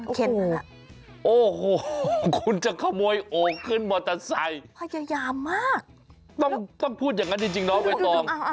โอ้โหคุณจะขโมยโอ่งขึ้นมอเตอร์ไซค์พยายามมากต้องพูดอย่างนั้นจริงน้องใบตอง